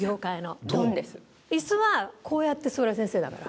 椅子はこうやって座る先生だから。